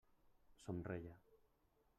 Somreia.